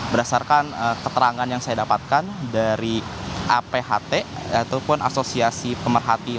berdasarkan keterangan yang saya dapatkan dari apht ataupun asosiasi pemerhati